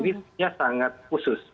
ini sangat khusus